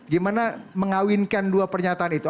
gimana mengawinkan dua pernyataan itu